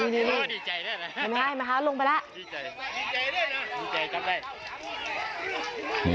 นี่ทำไมล่ะลงไปแล้ว